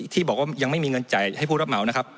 ที่บอกว่ายังไม่มีเงินจ่ายให้ผู้รับเหมานะครับ